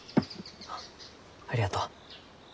あっありがとう。